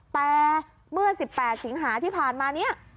แต่เมื่อ๑๘สิงหาที่ผ่านมา